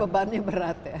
bebannya berat ya